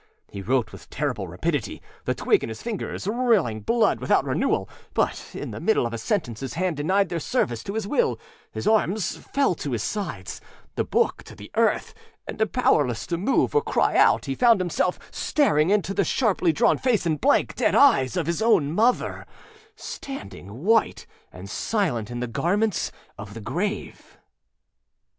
He wrote with terrible rapidity, the twig in his fingers rilling blood without renewal; but in the middle of a sentence his hands denied their service to his will, his arms fell to his sides, the book to the earth; and powerless to move or cry out, he found himself staring into the sharply drawn face and blank, dead eyes of his own mother, standing white and silent in the garments of the grave!